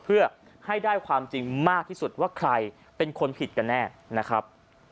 เพื่อให้ได้ความจริงมากที่สุดว่าใครเป็นคนผิดกันแน่นะครับ